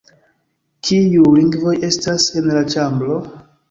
Kiuj lingvoj estas en la ĉambro?